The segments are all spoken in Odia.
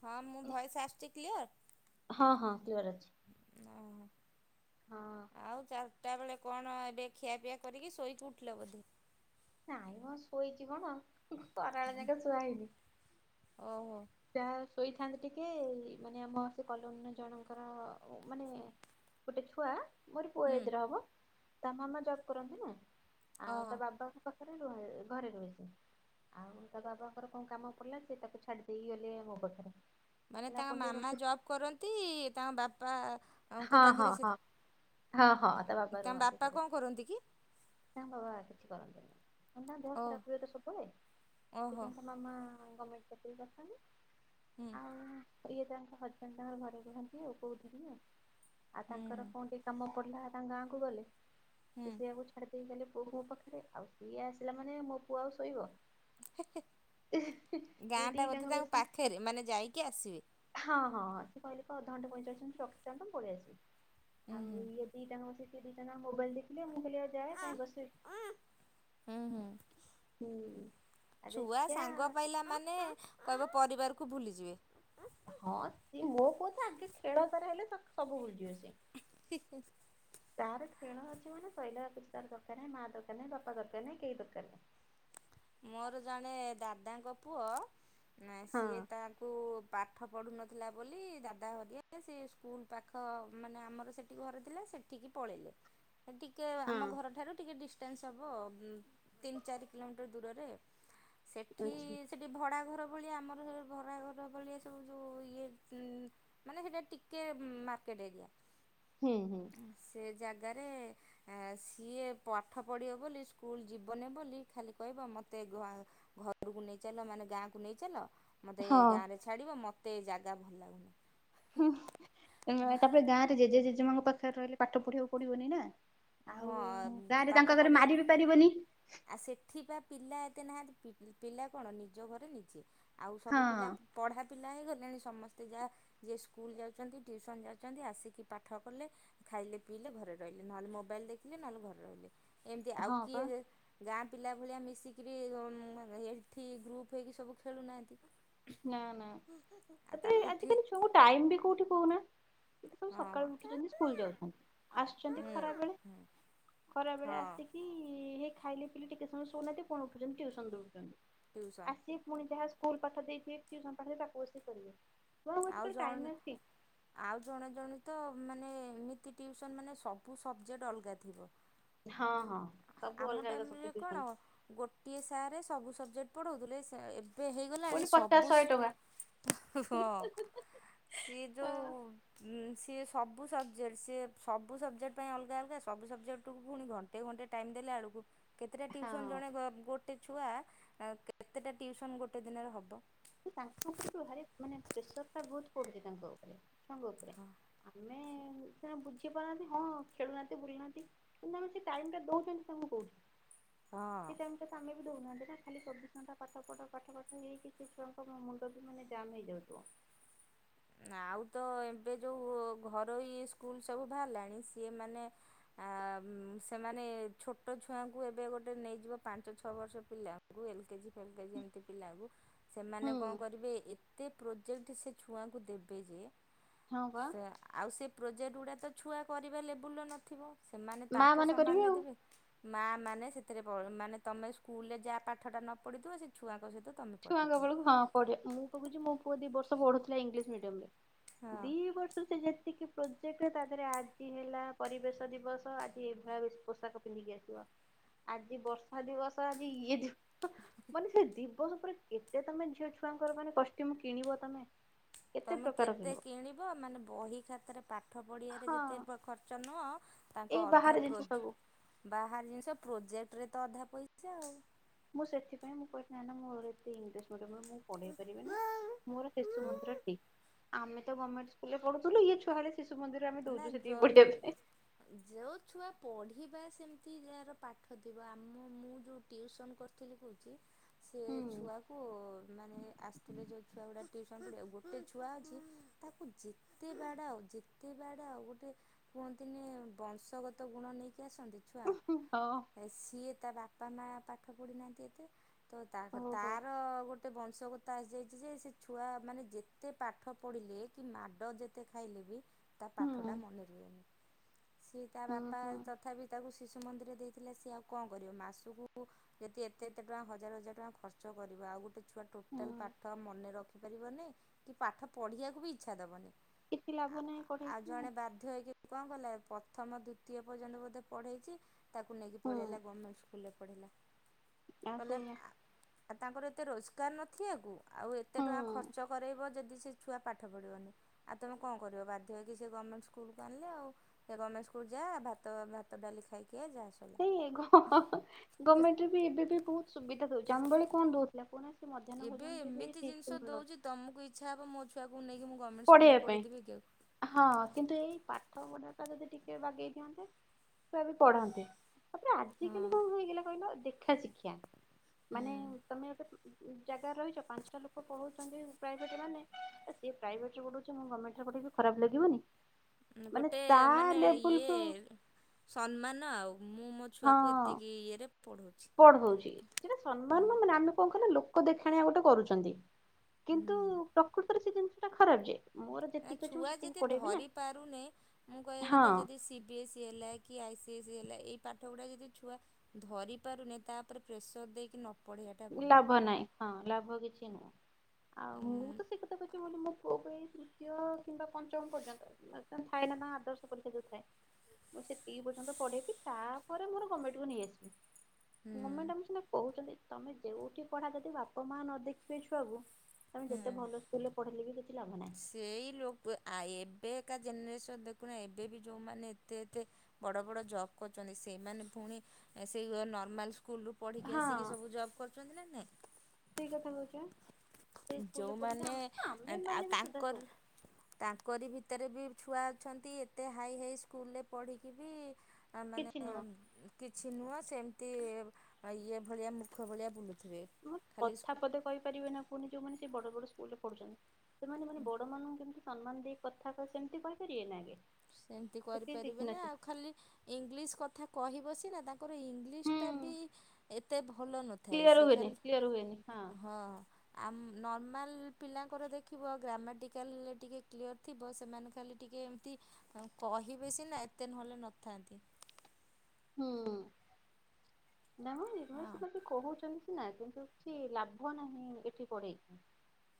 ହଁ ମୁଁ ଭଏସ୍ ଆସୁଚି କ୍ଲିଅର୍ ହଁ ହଁ କ୍ଲିଅର ଅଛି। ଓ ହଁ ଆଉ ଚାରି ତା ବେଳେ କଣ ଏବେ ଖିଆପିଆ କରିକି ଶୋଇକି ଉଠିଲ ବୋଧେ ନାଇଁ ମୁଁ ଶୋଇଛି କଣ କରାଳ ଯାକ ଶୁଆ ହେଇନି। ଓହୋ। ଯାହା ଶୋଇଥାନ୍ତି ଟିକେ ମାନେ ଆମ ସେ କଲନ ଜଣଙ୍କର ମାନେ ଗୋଟେ ଛୁଆ ମୋର ପୁଅ ହୁଁ ଏଦରେ ହବ ତା ମାମା ଜବ୍ କରନ୍ତି ନା ଆଉ ଓହୋ ତା ବାବା ପାଖରେ ର ଘରେ ରୁହେ ଆଉ ତା ବାବାଙ୍କର କଣ କାମ ପଡିଲା ସେ ତାକୁ ଛାଡି କି ଗଲେ ମୋ ପାଖରେ। ମାନେ କହିଲେ ତା ଆପଣ ଟିକେ ମାମା ରଖି ଜବ୍ କରନ୍ତି ତାଙ୍କ ବାପା ଙ୍କ ହଁ ହଁ ହଁ ହଁ ହଁ। ବାବା ତା ରୁହନ୍ତି ବାପା ଘରେ କଁ କରନ୍ତି କି? ତାଙ୍କ ବାବା କିଛି କରନ୍ତିନି। ତାଙ୍କ ଦେହ ଓ ଖରାପ ହୁଏ ତ ସବୁବେଳେ ସେଥି ଓହୋ ପାଇ ତା ମାମା ଗଲେ [unintelligible] ହୁଁ। ହ ଇଏ ତାଙ୍କ ହଜବେଣ୍ଡ ତାଙ୍କ ଘରେ କୁହନ୍ତି ଆଉ କୋଉଠିିନି ଆଉ ତାଙ୍କର ହୁଁ କୋଉଠି କାମ ପଡିଲା ତାଙ୍କ ଗାଁ କୁ ଗଲେ ଏ ହୁଁ ସେଆ କୁ ସେ ଦେଇଗଲେ ପୁଅକୁ ମୋ ପାଖରେ ଆଉ ସିଏ ଆସିଲା ମାନେ ମୋ ପୁଅ ଆଉ ଶୋଇବ। ଏ ଦିଟାଙ୍କ ବସିକି ଫେରେ ମାନେ ଯାଇକି ଆସିବେ। ହଁ ହଁ ସେ କହିଲେ କ ଅଧଘଣ୍ଟେ ପଇଁଚାଳିଶ ମିନିଟ୍ ରଖିଥାନ୍ତ ପଳେ ଆସିବ ହୁଁ ହୁଁ ଆଉ ଇଏ ଦିଟାଙ୍କ ସେ ଦିଜଣ ମୋବାଇଲ ଦେଖିଲେ ମୁଁ କହିଲି ଆଉ ଯାଏ କାଇ ହୁଁ ହୁଁ ବସିବି। ହୁଁ। ଆ ଛୁଆ ଦେଖିଆ ସାଙ୍ଗ ପାଇଲା ମାନେ କହିବ ପରିବାରକୁ ଭୁଲିଯିବେ। ହଁ ସିଏ ମୋ ପୁଅ ତ ଆଗେ ଖେଳ ତାର ହେଲେ ସେ ସବୁ ଭୁଲଯିବ ସେ। [inaudible] ତାହାର ଖେଳ ଅଛି ମାନେ ସଇଲା କିଛି ତାର ଦରକାର ନାଁ ମା ଦରକାର ନାହିଁ ବାପା ଦରକାର ନାହିଁ କେହି ଦରକାର ନାହିଁ। ମୋର ଜଣେ ଦାଦାଙ୍କ ପୁଅ ହଁ। ସିଏ ତା [inaudible] ପାଠ ପଢ଼ୁନଥିଲା ବୋଲି ଦାଦା ହରିଆ ସେ ସ୍କୁଲ ପାଖ ମାନେ ଆମର ସେଠି ଘରେ ଥିଲା ସେ ଟିକି ପଳେଇଲେ। [inaudible] ଟିକେ ହଁ ଆମ ଘରଠାରୁ ଟିକେ ଡିଷ୍ଟାନ୍ସ ହେବ ତିନି ଚାରି। କିଲୋମି ଏତେ ଦୂରରେ ସେଠି ଆଚ୍ଛା। ସେଠି ଭଡ଼ାଘର ଭଳିଆ ଆମର ସେ ଭଡ଼ାଘର ଭଳିଆ ସବୁ ଯଉଁ ଇଏ [unintelligible] ମାନେ ହେଟା ଟିକେ ମାର୍କେଟ ଏରିଆ। ହୁଁ ହୁଁ। ସେ ଜାଗାରେ। ସିଏ ପାଠ ପଢ଼ିବ ବୋଲି ସ୍କୁଲ ଯିବନି ବୋଲି ଖାଲି କହିବ ମୋତେ ଘରକୁ ନେଇ ଚାଲ, ମାନେ ଗାଁ କୁ ନେଇ ଚାଲ ମୋତେ ହଁ ଗାଁରେ ଛାଡିବ ମତେ ଜାଗା ଭଲ ଲାଗୁନି। ହୁଁ, ତାପରେ ଗାଁରେ ଜେଜେ ଜେଜେମାଙ୍କ ପାଖରେ ରହିଲେ ପାଠ ପଢି଼ବାକୁ ପଡିବନି ନା। ଆଉ ହଁ ଗାଁରେ ତାଙ୍କ‌ ଆଗରେ ମାରି ବିି ପାରିବନି। ଆ ସେଠି ବା ପିଲା ଏତେ ନାହାନ୍ତି ପିଲା କଣ ନିଜ ଘରେ ନିଜେ ଆଉ ସବୁ ପିଲା ହଁ ପଢା଼ ପିଲା ହେଇଗଲେଣି ସମସ୍ତେ ଯାହା ଯିଏ ସ୍କୁଲ ଯାଉଛନ୍ତି ଟିଉସନ୍ ଯାଉଚନ୍ତି ଆସିକି ପାଠ କଲେ। ଖାଇଲେ ପିଇଲେ ଘରେ ରହିଲେ। ନହେଲେ ମୋବାଇଲ ଦେଖିଲେ ନହେଲେ ଘରେ ରହିଲେ। ଏମିତି ଆଉ ହଁ ବା କିଏ ଗାଁ ପିଲା ଭଳିଆ ମିଶିକିରି [unintelligible] ଏଠି ଗ୍ରୁପ୍ ହେଇକି ସବୁ ଖେଳୁନାହାଁନ୍ତି। ନା ନା ତାପରେ ଠିକ ଆଜିକାଲି ଛୁଆଙ୍କୁ ଟାଇମ ବି କୋଉଠି କହୁନା। ସବୁ ହଁ ସକାଳୁ ହଁ ଉଠିଛନ୍ତି ସ୍କୁଲ ଯାଉଛନ୍ତି ଆସୁଛନ୍ତି ହୁଁ ଖରା ବେଳେ ହୁଁ ଖରା ବେଳେ ହଁ ଆସିକି ହେ ଖାଇଲେ ପିଇଲେ ଟିକେ ସମୟ ଶୋଉନାହାନ୍ତି ପୁଣି ଉଠୁଛନ୍ତି ଟିଉସନ ଦଉଡ଼ଛନ୍ତି। ଟ୍ୟୁସନ୍ ଆସକି ପୁଣି ଯାହା ସ୍କୁଲ ପାଠ ଦେଇଥିବେ ଟିଉସନ ପାଠ ତାକୁ ବସିିକି କରିବେ। ଛୁଆଙ୍କୁ ଆଉ ଆଜିକାଲି ଟାଇମ ଜଣ ଅଛି ଆଉ ଜଣେ ଜଣେ ତ ମାନେ ଏମିତି ଟିଉସନ୍ ମାନେ ସବୁ ସବଜେକ୍ଟେ ଅଲଗା ଥିବ। ହଁ ହଁ ସବୁ ଆମ ଅଲଗା ଅଲଗା ଟାଇମରେ ସବଜେକ୍ଟ କଣ ଟିଉସନ। ଗୋଟିଏ ସାର ସବୁ ସବଜେକ୍ଟ ପଢ଼ାଉଥିଲେ ଏ ଏବେ ହେଇଗଲାଣି ପୁଣି ପଚାଶ ସବୁ ଶହେ ଟଙ୍କା। ହଁ ସିଏ ହଁ ଯୋଉଁ ସିଏ ସବୁ ସବଜେକ୍ଟେ ସିଏ ସବୁ ସବଜେକ୍ଟେ ପାଇଁ ଅଲଗା ଅଲଗା ସବୁ ସବଜେକ୍ଟେକୁ ପୁଣି କଣ? ଏତେ ଘଣ୍ଟା ଟାଇମ ଦେଲା ବେଳକୁ କେତେଟା ଟିଉସନ୍ ଜଣେ ଗ ଗୋଟେ ଛୁଆ କେତେଟା ଟିଉସନ୍ ଗୋଟେ ଦିନରେ ହବ। ତାଙ୍କ ଉପରେ ବି ଭାରି ମାନେ ପ୍ରେସର ଟା ବହୁତୁ ପଡୁଛି ତାଙ୍କ ଉପରେ ସାଙ୍ଗ ଉପରେ। ହଁ। ଆମେ ସେ ବୁଝି ପାରୁନାହାନ୍ତି ହଁ ଖେଳୁନାହାନ୍ତି ବୁଲୁ ନାହାନ୍ତି। [unintelligible] ସେ ଟାଇମଟା ଦଉଚନ୍ତି ତାମକୁ। ହଁ। ସେ ଟାଇମଟା ତମେ ବି ଦଉନାହାନ୍ତି ନା ଖାଲି ଚବିଶ ଘଣ୍ଟା ପାଠ ପଢ କଠ କଠ ହେଇକି ପିଲାଙ୍କ ମୁଣ୍ଡ ବି ମାନେ ଜାମ ହେଇଯାଉଥିବ। ଆଉ ତ ଏବେ ଯେଉଁ ଘରୋଇ ସ୍କୁଲ୍ ସବୁ ବାହାରିଲାଣି ସିଏ ମାନେ ଆ ମଁ ସେମାନେ ଛୋଟ ଛୁଆଙ୍କୁ ଏବେ ଗୋଟେ ନେଇଯିବ ପାଞ୍ଚ ଛଅ ବର୍ଷ ପିଲା। ଏ ଏଲ୍ କେଜି ଫେଲ୍ କେଜି ଏମତି ପିଲାକୁ। ସେମାନେ ହୁଁ କଣ କରିବେ ଏତେ ପ୍ରୋଜେକ୍ଟ ସେ ଛୁଆଙ୍କୁ ଦେବେ ଯେ, ହଁ ବା ସେ ଆଉ ସେ ପ୍ରୋଜେକ୍ଟ ଗୁଡ଼ା ତ ଛୁଆ କରିବା ଲେବୁଲ୍ର ନଥିବ। ସେମାନେ ମା ତାଙ୍କ ମାନେ କରିବେ ସମାନେ ଆଉ। ଦେବେ। ମା ମାନେ ସେଥିରେ ପ ମାନେ ତମେ ସ୍କୁଲରେ ଯାହା ପାଠଟା ନ ପଢ଼ିଥିବ ସେ ଛୁଆଙ୍କ ସହିତ ତମେ ପାଠ ଛୁଆଙ୍କ ପଢ଼ ବେଳକୁ ହଁ ପଢ଼ ମୁଁ କହୁଛି ମୋ ପୁଅ ଦି ବର୍ଷ ପଡୁଥିଲା ଇଂଲିଶ ମିଡିୟମ ରେ। ହଁ ଦି ବର୍ଷ? ଯେତିକି ପ୍ରୋଜେକ୍ଟ ତାହରେ ଆଜି ହେଲା ପରିବେଶ ଦିବସ ଆଜି ଏଭଳିଆ ପୋଷାକ ପିଧିକି ଆସିବ ଆଜି ବର୍ଷା ଦିବସ ଆଜି ଇଏ ଦ ମାନେ ସେ ଦିବସ ଉପରେ କେତେ ତମେ ଝିଅ ଛୁଆଙ୍କର ମାନେ କଷ୍ଟ୍ୟୁମ କିଣିବ ତମେ? ତମେ କେତେ କିଣିବ ମାନେ ବହି ଖାତାରେ ପାଠ ପଢି଼ଆରେ ହଁ ଯେତେ ଖର୍ଚ୍ଚ ଚ ନୁହ ତାଙ୍କ ଏଇ ବାହାରେ ଅଧା ପ୍ରୋ ଜିନିଷ ସବୁ ବାହାର ଜିନିଷ ପ୍ରୋଜେକ୍ଟରେ ତ ଅଧା ପଇସା ଆଉ। ମୁଁ ସେଥିପାଇଁ ମୁଁ କହିଲି ନା ନା ମୋର ଏତେ ଇଣ୍ଡେ ମୁଁ ପଢ଼େଇ ପାରିବିନି ମୋର ଶିଶୁ ମନ୍ଦିର ଆଉ। ଠିକ୍। ଆମେ ତ ଗଭମେଣ୍ଟ ସ୍କୁଲରେ ପଢୁଥିଲୁ, ଇଏ ଛୁଆ ଶିଶୁ ମନ୍ଦିରେ ଆମେ ନା ଦଉଚୁ ଯ ସେତିକି ପଢ଼ିବା ପାଇଁ। ଯେଉଁ ଛୁଆ ପଢ଼ିବା ସେମିତି ଯାହାର ପାଠ ଥିବ, ଆମ ମୁଁ ଯୋଉ ଟିଉସନ୍ କରି କହୁଛି ସେ ହୁଁ ଛୁଆକୁ ମାନେ ଆସ୍ ଯୋଉ ଛୁଆଗୁଡ଼ା ଟିଉସନ ଗୋଟେ ଛୁଆ ଅଛି ତାକୁ ଯେତେ ବାଡ଼ାଅ‌ ଯେତ୍ ତେ ବାଡ଼ାଅ ଗୋଟେ କୁହନ୍ତିନି ବଂଶଗତ ଗୁଣ ନେଇକି ଆସନ୍ତି ଛୁଆ? ଉଁ ହୁଁ ହଁ। ସିଏ ତା ବାପା ମା ପାଠ ପଢ଼ିନାହାନ୍ତି ଏତେ ତ ତା ଓହୋ ତାର ଗୋଟେ- ଗୋଟେ ବଂଶଗତ ଆସିଯାଇଛି ଯେ ସେ ଛୁଆ ମାନେ ଯେତେ ପାଠ ପଢ଼ିଲେ କି ମାଡ଼ ଯେତେ ଖାଇଲେ ବି ତା ହୁଁ ପାଠ ଟା ମନେ ରୁହେନି ସିଏ ତା ହୁଁ ବାପା ହୁଁ ତଥାପି ତାକୁ ଶିଶୁ ମନ୍ଦିର ଦେଇଥିଲେ ସିଏ ଆଉ କଣ କରିବ ମାସ କୁ ଯଦି ଏତେ ଏତେ ଟଙ୍କା ହଜାର ହଜାର ଟଙ୍କା ଖର୍ଚ୍ଚ କରିବ ଆଉ ଗୋଟେ ଛୁଆ ହୁଁ ଟୋଟାଲ ପାଠ ମନେ ରଖିପାରିବନି କି ପାଠ ପଢ଼ିବାକୁ ବି ଇଚ୍ଛା ଦେବନି କିଛି ଲାଭ ନାଇଁ ପ ଆଉ ଜଣେ ବାଧ୍ୟ ହେଇକି କଣ କଲେ ପ୍ରଥମ ଦ୍ଵିତୀୟ ପର୍ଯ୍ୟନ୍ତ ବୋଧେ ପଢ଼େଇଛି ତାକୁ ନେଇକି ହୁଁ ପଳେଇ ଆଇଲା ଗଭର୍ଣ୍ଣମେଣ୍ଟ ସ୍କୁଲରେ ପଢ଼େଇଲା। ଆଉ କହିଲେ ସେଇଆ ଆଉ ତାଙ୍କର ଏତେ ରୋଜଗାର ନଥିବା କୁ ଆଉ ଏତେ ହୁଁ ଟଙ୍କା ଖର୍ଚ୍ଚ କରାଇବ ଯଦି ସେ ଛୁଆ ପାଠ ପଢ଼ିବନି ଆଉ ତୁମେ କଣ କରିବ ବାଧ୍ୟ ହେଇକି ସେ ଗଭର୍ଣ୍ଣମେଣ୍ଟ ସ୍କୁଲକୁ ଆଣିଲେ ଆଉ ସେ ଗଭର୍ଣ୍ଣମେଣ୍ଟ ସ୍କୁଲକୁ ଯାହା ଭାତ ଡାଲି ଖାଇକି ଯାହା [unintelligible] ଗଭର୍ଣ୍ଣମେଣ୍ଟରେ ବି ଏବେ ବି ବହୁତ ସୁବିଧା ଦଉଛି ଆମ ଭଳି କଣ ଦଉ ଥିଲା କହୁ ନାହାନ୍ତି ମଧ୍ୟାହ୍ନ ଏବେ ଭୋଜନଟି ବି ଏମିତି ଠିକ ସେ ଜିନିଷ ମିଳୁନଥିଲା ଦେଉଛି ତମକୁ ଇଚ୍ଛା ହେବ ମୋ ଛୁଆକୁ ନେଇକି ମୁଁ ଗଭର୍ଣ୍ଣମେଣ୍ଟ ସ୍କୁଲରେ ପଢେଇବା ପାଇଁ। ପଢ଼େଇଦେବି କି ଆଉ ହଁ କିନ୍ତୁ ଏଇ ପାଠ ପଢ଼ା ଟା ଯଦି ଟିକେ ବାଗେଇ ଦିଅନ୍ତେ ଛୁଆ ବି ପଢ଼ନ୍ତେ। ତାପରେ ଆଜିକାଲି ହଁ କଣ ହେଇଗଲା କହିଲ ଦେଖା ଶିକ୍ଷା ମାନେ ହୁଁ ତମେ ଏବେ ଜାଗାରେ ରହିଛ ପାଞ୍ଚଟା ଲୋକ ପଢ଼ଉଛନ୍ତି ପ୍ରାୟଭେଟ ରେ ମାନେ ତ ସିଏ ପ୍ରାଇଭେଟ୍ ରେ ପଢ଼ଉଛି ମୁଁ ଗଭରମେଣ୍ଟ ରେ ପଢ଼େଇବି ଖରାପ ଲାଗିବନି। ଉଁ ମାନେ ଗୋଟେ ତା ମାନେ ଇଏ ଲେବୁଲକୁ ସମ୍ମାନ ଆଉ ମୁଁ ମୋ ଛୁଆକୁ ଏତିକି ଇଏରେ ପଢ଼ଉଛି। ପଢ଼ଉଚି, ସେଇଟା ସମ୍ମାନ ନୁହଁ ମାନେ ଆମେ କଣ କହିଲେ ଲୋକ ଦେଖାଣିଆ ଗୋଟେ କରୁଚନ୍ତି। କିନ୍ତୁ ହୁଁ ପ୍ରକୃତରେ ସେ ଜିନିଷ ଟା ଖରାପ୍ ଯେ ମୋର ଯେତିକି ଅଛି ମୁଁ ଛୁଆ ସେତିକି ଯଦି ପଢେଇବି ନା। ଧରି ପାରୁନି ମୁଁ କହିବା କଥା ଯଦି ହଁ ସିପ ବି ଏସ୍ ସି ହେଲା କି ଆଇସିି ଏସ୍ ସି ହେଲା ଏଇ ପାଠ ଗୁଡ଼ା ଯଦି ଛୁଆ ଧରି ପାରୁନି ତା ଓପରେ ପ୍ରେସର ଦେଇକି ନ ପଢ଼େଇବାଟା ଭଲ। ଲାଭ ନାହିଁ ହଁ ଲାଭ କିଛି ନାହିଁ। ଆଉ ମୁଁ ହୁଁ ତ ସେଇ କଥା କହିଚି ବୋଲି ମୋ ପୁଅକୁ ଏଇ ଦ୍ଵିତୀୟ କିମ୍ବା ପଞ୍ଚମ ପର୍ଯ୍ୟନ୍ତ ଥାଏ ନା ନା ଆଦର୍ଶ ପରୀକ୍ଷା ଯୋଉ ଥାଏ ମୁଁ ସେତିକି ପର୍ଯ୍ୟନ୍ତ ପଢେଇବି ତାପରେ ମୋର ଗର୍ମେଣ୍ଟକୁ ନେଇ ଆସିବି। ଗମେଣ୍ଟ ଆମେ ସିନା କହୁଛନ୍ତି ତମେ ଯୋଉଠି ପଢ଼ା ଯଦି ବାପା ମାଆ ନ ଦେଖିବେ ଛୁଆକୁ ତମେ ଯେତେ ଭଲ ସ୍କୁଲରେ ପଢ଼େଇଲେ ବି କିଛି ଲାଭ ନାହିଁ। ସେଇ ଲୋକ ଆ ଏବେ କା ଜେନେରେସନ୍ ଦେଖୁନା ଏବେ ବି ଯୋଉମାନେ ଏତେ ଏତେ ବଡ଼ ବଡ଼ ଜବ୍ କରୁଚନ୍ତି ସେଇମାନେ ପୁଣି ସେଇ ନର୍ମାଲ ସ୍କୁ ସ୍କୁଲରୁ ପଢ଼ିକି ହଁ ଆସିକି ସବୁ ଜବ୍ କରୁଚନ୍ତି ନା ନାଇଁ। ସେଇ କଥା କହୁଚି ପା। ଯୋଉମାନେ ଆଉ ମାନେ ବି ସୁଧା ତାଙ୍କର ତାଙ୍କରି ଭିତରେ ବି ଛୁଆ ଅଛନ୍ତି ଏତେ ହାଇ ହାଇ ସ୍କୁଲରେ ପଢ଼ିକି ବି ମା ମାନେ କିଛି ନୁହଁ [unintelligible] କିଛି ନୁହଁ ସେମିତି ଏ ଇଏ ଭଳିଆ ମୂର୍ଖ ଭଳିଆ ବୁଲୁଥିବେ ଖାଲି କଥା ପଦେ କହିପାରିବେ ନା କୁହନି ଯୋଉମାନେ ସେଇ ବଡ଼ ବଡ଼ ସ୍କୁଲରେ ପଢ଼ୁଛନ୍ତି। ସେମାନେ ମାନେ ବଡ଼ ମାନଙ୍କୁ କେମିତି ସମ୍ମାନ ଦେଇ କଥା କହ ସେମିତି କହିପାରିବେ ନା ଆଗେ? ସେମତି ସେତିକି କରିପାରିବେ ନି ଶିଖିନାହାନ୍ତି। ଆଉ ଖାଲି ଇଂଲିଶ କଥା କହିବ ସିନା ତାଙ୍କର ଇଙ୍ଗ ଇଂଲିଶ ହୁଁ ଟା ବି ଏତେ ଭଲ ନଥାଏ କ୍ଲିୟର ସ ହୁଏନି ଖାଲି କ୍ଲିୟର ହୁଏନି ହଁ - ଆମ ନର୍ମାଲ ପିଲାଙ୍କର ଦେଖିବ ଗ୍ରାମାଟିକାଲରେ ଟିକେ କ୍ଲିୟର ଥିବ ସେମାନେ ଖାଲି ଟିକେ ଏମିତି କହିବେ ସିନା ଏତେ ନହେଲେ ନଥାନ୍ତି। ହୁଁ ହୁଁ। ନାଇଁ ମ ଏମାନେ ହଁ ସେମିତି କହୁଛନ୍ତି ସିନା କିନ୍ତୁ କିଛି ଲାଭ ନାହିଁ ଏଠି ପଢ଼େଇକି।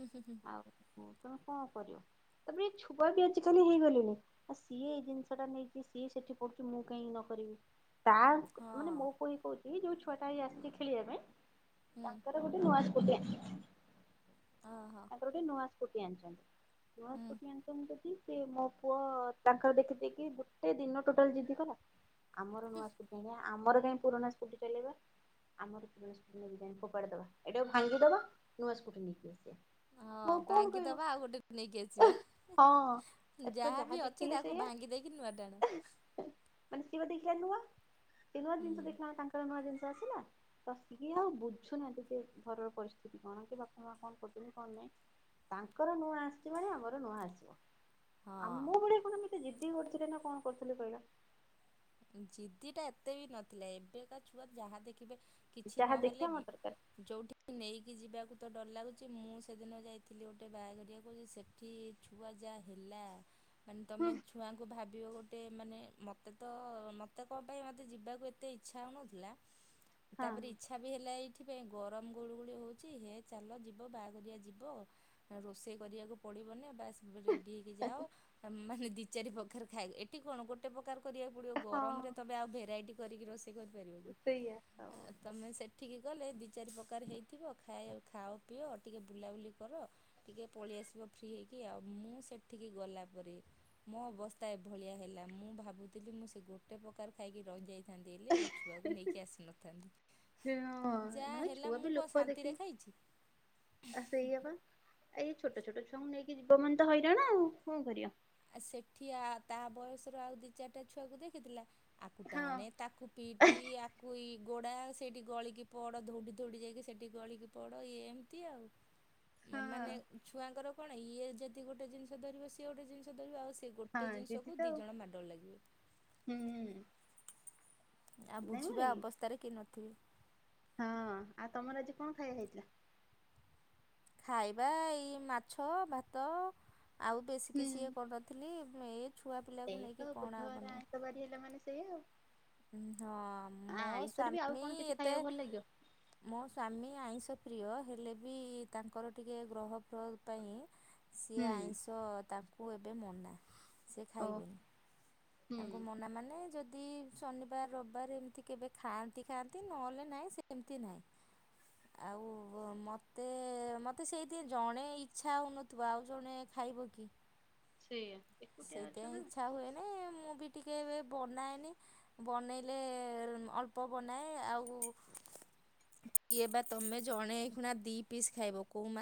ହୁଁ ହୁଁ ହୁଁ। ଆଉ କୁହ ତୁମେ କଣ କରିବ? ତାପରେ ଏଇ ଛୁଆ ବି ଆଜିିକାଲି ହେଇଗଲେଣିି ଆଉ ସିଏ ଏଇ ଜିନିଷ ଟା ନେଇକି ସିଏ ସେଠି ପଢୁଚି ମୁଁ କାହିଁକି ନ କରିବି ତା ମାନେ ହଁ ମୋ ପୁଣି କଉଥିଲି ଯୋଉ ଛୁଆଟା ଆଜି ଆସିଛି ଖେଳିବା ପାଇଁ ହୁଁ [unintelligible] ଅହୋ ତାଙ୍କର ଗୋଟେ ନୂଆ ସ୍କୁଟି ଆଣିଛନ୍ତି ନୂଆ ହୁଁ। ସ୍କୁଟି ଆ [unintelligible] ସେ ମୋ ପୁଅ ତାଙ୍କର ଦେଖି ଦେଖି ଗୋଟେ ଦିନ ଟୋଟାଲ ଜିଦିକଲା ଆମର ନୂଆ ସ୍କୁଟି ଆଣିବା, ଆମର କାହିଁ ପୁରୁଣା ସ୍କୁଟି ଚଲେଇବା, ଆମର [inaudible] ଫୋପାଡି ଦବା ଏଟାକୁ ଭାଙ୍ଗିଦବା ନୂଆ ସ୍କୁଟି ନେଇକି [inaudible] ହଁ ମୁଁ ଆଉ କଣ କହିବ ଭାଙ୍ଗିଦବା ଆଉ ଗୋଟେ ବି ନେଇକି ଆସିବା। ହଁ ଏତକ ଯାହା ବି ଅଛି ଦେଖିଲେ ତାକୁ ସେଇଆ ଭାଙ୍ଗି ଦେଇକି ନୂଆ ଟାଣ - ମାନେ ସିଏ ଦେଖିଲା ନୂଆ ସେ ନୂଆ ହୁଁ ଜିନିଷ ଦେଖିଲା ତାଙ୍କର ନୂଆ ଜିନିଷ ଆସିଲା ତସିକି ଆଉ ବୁଝୁନାହାନ୍ତି ଯେ ଘରର ପରିସ୍ଥିତି କଣ କି ବାପା ମା କଣ କର- କଣ ନାହିଁ ତାଙ୍କର ନୁଆ ଆସିଛି ମାନେ ଆମର ନୁଆ ଆସିବ ହଁ। ଆମ ଭଳିଆ କଣ ଆମେ ସେ ଜିଦି କରୁଥିଲେ ନା କଣ କରୁଥିଲେ କଇଲ - ଜିଦିଟା ଏତେ ବି ନଥିଲା ଏବେକା ଛୁଆ ଯାହା ଦେଖିବେ କିଛି ଯାହା ନହେଲେ। ଦେଖିବା ମୋର ଦରକାର ଯେଉଁଠି ନେଇକି ଯିବାକୁ ତ ଡର ଲାଗୁଛି ମୁଁ ସେଦିନ ଯାଇଥିଲି ଗୋଟେ ବାହାଘରକୁ ସେ ଏଠି ଛୁଆ ଯାହା ହେଲା ମାନେ ହୁଁ ତମେ ଛୁଆଙ୍କୁ ଭାବିବ ଗୋଟେ ମାନେ ମୋତେ ତ ମୋତେ କଣ ପାଇଁ ମୋତେ ଯିବାକୁ ଏତେ ଇଚ୍ଛା ହେଉନଥିଲା ତାପରେ ଇଛା ହଁ କଥା ବି ହେଲା ଏଇଥିପାଇଁ ଗରମ ଗୋଳୁ ଗୋଳି ହଉଛି ହେ ଚାଲ ଯିବ ବାହାଘରଆ ଯିବ। ରୋଷେଇ କରିବାକୁ ପଡ଼ିବନି ବାସ୍ ରେଡ଼ି ହେଇକି ମାନେ ଦି ଚାରି ପ୍ରକାର ଖାଇ ଏଠି କଣ ଗୋଟେ ପ୍ରକାର କରିବାକୁ ପଡ଼ିବ ଗରମରେ ହଁ ତୁମେ ଆଉ ଭେରାଇଟି କରିକି ରୋଷେଇ କରିପାରିବ କି? ସେଇଆ ହଁ ତୁମେ ସେଠିକି ଗଲେ ଦୁଇ ଚାରି ପ୍ରକାର ହେଇଥିବ ଖାଏ ଖାଅ ପିଅ ଟିକିେ ବୁଲାବୁଲି କର। ଟିକେ ପଳେଇଆସିବ ଫ୍ରି ହେଇକି ଆଉ ମୁଁ ସେଠିକି ଗଲାପରେ ମୋ ଅବସ୍ଥା ଏଭଳିଆ ହେଲା ମୁଁ ଭାବୁଥିଲି ମୁଁ ସେ ଗୋଟେ ପ୍ରକାର ଖାଇକି ରହିଯାଇଥିଲ ଥାନ୍ତି ହେଲେ ଛୁଆକୁ ନେଇକି ଆସି ନଥାନ୍ତି। ହଁ ନ ଛୁଆ ବି ଲୋକ ଶାନ୍ତିରେ ଦେଖି ଖାଇଛି। ଆ ସେଇଆ ବା ଏଇ ଛୋଟ ଛୋଟ ଛୁଆଙ୍କୁ ନେଇକି ଯୀବ ମାନେ ତ ହଇରାଣ ଆଉ କଣ କରଆ ଆ ସେଠି ଆ ତା ବୟସର ଆଉ ଦି ଚାରିଟା ଛୁଆକୁ ଦେଖିଥିଲା। ଆକୁ ହଁ ଟାଣେ ତାକୁ ପିଟି କୁଇ ଗୋଡ଼ା ସେଇଠି ଗଳିକି ପଡ଼ ଧଉଡ଼ି ଧଉଡ଼ି ଯାଇକି ସେଇଠି ଗଳିକି ପଡ଼ ଇଏ ଏମିତି ଆଉ ହଁ [unintelligible] ମାନେ ଛୁଆଙ୍କର କଣ ଇଏ ଯଦି ଗୋଟେ ଜିନିଷ ଧରିବ ସିଏ ଗୋଟେ ଜିନିଷ ଧରିବ ଆଉ। ସେ ଗୋଟେ ହଁ ଦିଦି ଜିନିଷକୁ ତ ଦୁଇ ଆଉ ଜଣ ମାଡ଼ ଗୋଳ ଲାଗିବେ ହୁଁ ହ ଆଉ ବୁଝିବା ଅବସ୍ଥାରେ କିଏ ନଥିବେ। ହଁ ଆଉ ତମର ଆଜି କଣ ଖାଇବା ହେଇଥିଲା? ଖାଇବା ଏଇ, ମାଛ, ଭାତ, ଆଉ ବେଶୀ ହୁଁ। କିଛି କରିନଥିଲି ଏ ଛୁଆ ପିଲାକୁ ନେଇକି କଣ ଆଉ ବନେଇବ ବାର ହେଲା ମାନେ ସେଇ ଆଉ ହଁ ଆ ମୋ ଆଇଁଷରେ ବି ଆଉ ସ୍ଵାମୀ କଣ କିଛି ଏତେ ଖାଇବାକୁ ଭଲ ଲାଗିବ? ମୋ ସ୍ୱାମୀ ଆଇଁଷ ପ୍ରିୟ ହେଲେ ବି ତାଙ୍କର ଟିକେ ଗ୍ରହ ଫ୍ରହ ପାଇଁ ସିଏ ହୁଁ। ଆଇଁଷ ତାଙ୍କୁ ଏବେ ମନା ସେ ଓ ଖାଇବେନି ହୁଁ ତାଙ୍କୁ ମନା ମାନେ ଯଦି ଶନିବାର ରବିବାର ଏମିତି କେବେ ଖାଆନ୍ତି ଖାଆନ୍ତି ନହେଲେ ନାହିଁ ସେ ଏମିତି ନାହିଁ। ହ [unintelligible] ଆଉ ମୋତେ ମୋତେ ସେଇଥିପାଇଁ ଜଣେ ଇଚ୍ଛା ହେଉନଥିବ ଆଉ ଜଣେ ଖାଇବ କି ସେଇଆ ଏକୁଟିଆ ଅଛ ସେଇଥିପାଇଁ ନା ଇଚ୍ଛା ହୁଏନି ମୁଁ ବି ଟିକେ ଏବେ ବନାଏନି ବନେଇଲେ ଅଳ୍ପ ବନାଏ ଆଉ। କିଏ ବା ତମେ ଜଣେ ଶୁଣା ଦି ପିସ୍ ଖାଇବ କୋଉ ମାଛ।